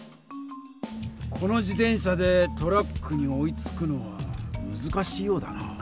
この自転車でトラックに追いつくのはむずかしいようだな。